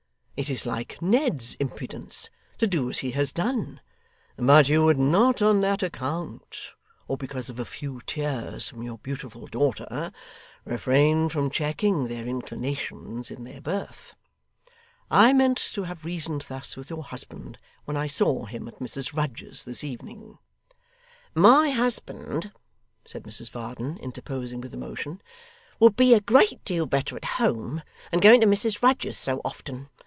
It is like Ned's impudence to do as he has done; but you would not on that account, or because of a few tears from your beautiful daughter, refrain from checking their inclinations in their birth. I meant to have reasoned thus with your husband when I saw him at Mrs Rudge's this evening ' 'My husband,' said Mrs Varden, interposing with emotion, 'would be a great deal better at home than going to Mrs Rudge's so often.